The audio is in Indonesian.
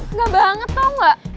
enggak banget tau gak